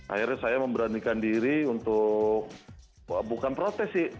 akhirnya saya memberanikan diri untuk bukan protes sih